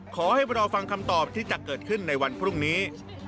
ขอให้รอฟังคำตอบที่จะเกิดขึ้นในวันพรุ่งนี้